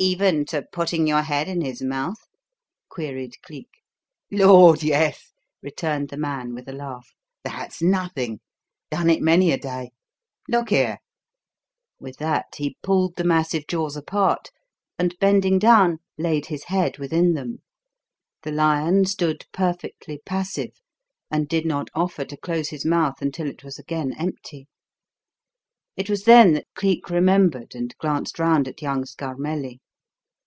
"Even to putting your head in his mouth?" queried Cleek. "Lord yes!" returned the man, with a laugh. "That's nothing. Done it many a day. Look here!" With that he pulled the massive jaws apart, and, bending down, laid his head within them. The lion stood perfectly passive, and did not offer to close his mouth until it was again empty. It was then that Cleek remembered and glanced round at young Scarmelli.